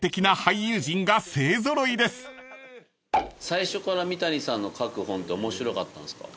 最初から三谷さんの書く本って面白かったんですか？